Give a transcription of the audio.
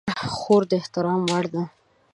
خور د احترام وړ ده.